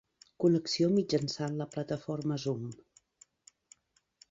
Connexió mitjançant la plataforma Zoom.